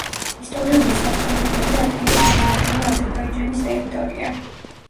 ისტორიული საცხოვრებელი ადგილი თანამედროვე აზერბაიჯანის ტერიტორია.